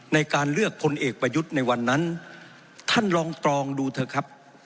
ในการเลือกพลเอกประยุทธ์ในวันนั้นท่านลองตรองดูเถอะครับ